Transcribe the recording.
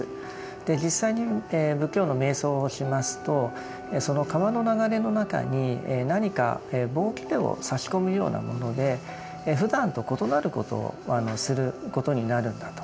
実際に仏教の瞑想をしますとその川の流れの中に何か棒きれをさし込むようなものでふだんと異なることをすることになるんだと。